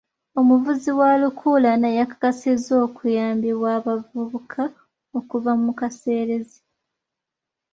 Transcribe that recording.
Omuvuzi wa lukululana yakakasizza okuyambibwa abavubuka okuva mu kaseerezi.